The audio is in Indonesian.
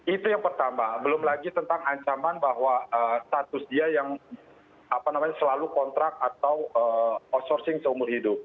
itu yang pertama belum lagi tentang ancaman bahwa status dia yang selalu kontrak atau outsourcing seumur hidup